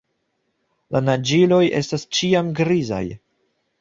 La naĝiloj estas ĉiam grizaj.